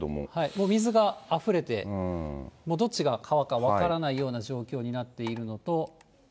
もう水があふれて、どっちが川か分からないような状況になっているのと。